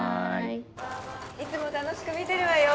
いつも楽しく見てるわよ。